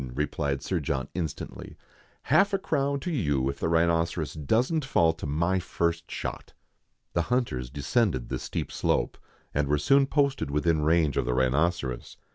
replied Sir John instantly. " Half a crown to you if the rhinoceros doesn't fall to my first shot." The hunters descended the steep slope, and were soon posted within range of the rhinoceros.